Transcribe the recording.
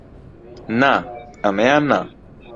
نا، ئەمەیان نا!